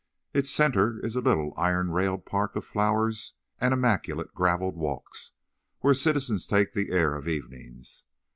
Its centre is a little, iron railed park of flowers and immaculate gravelled walks, where citizens take the air of evenings.